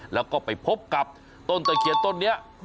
แล้วก็ไปพบกับต้นตะเคียนต้นนี้